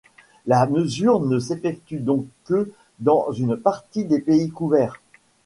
La mesure ne s'effectue donc que dans une partie des pays couverts.